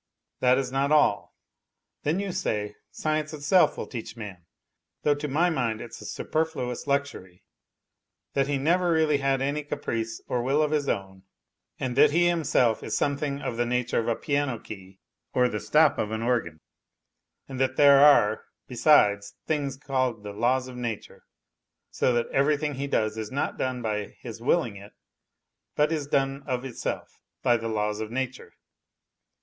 That is not all ; then, you say, science itself will teach man (though to my mind it's a superfluous luxury) that he never has really had any caprice or will of his own, and that he himself is something of the nature of a piano key or the stop of an organ, and that there are, besides, things called the laws of nature ; so that everything he does is not done by his willing it, but is done of itself, by the laws of nature.